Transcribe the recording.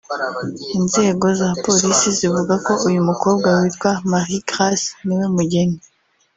Inzego za Polisi zivuga ko uyu mukobwa witwa Marie Grace Niwemugeni